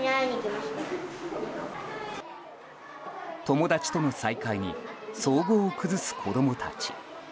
友達との再会に相好を崩す子供たち。